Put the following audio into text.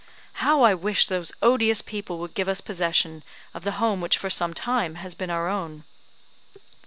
"How I wish those odious people would give us possession of the home which for some time has been our own."